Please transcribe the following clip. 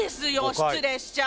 失礼しちゃう。